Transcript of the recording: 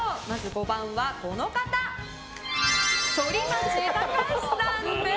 ５番は、反町隆史さんです。